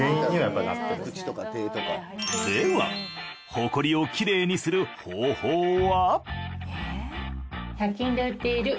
ではホコリをきれいにする方法は？